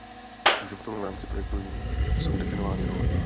Uživatelům v rámci projektu jsou definovány role.